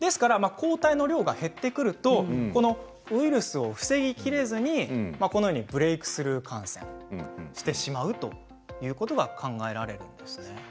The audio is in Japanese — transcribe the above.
抗体の量が減ってくるとウイルスを防ぎきれずにこのようにブレークスルー感染してしまうということが考えられるんです。